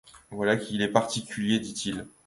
Voilà qui est particulier, » dit-il.